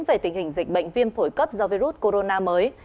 về tình hình dịch bệnh viêm phổi cấp do virus corona mới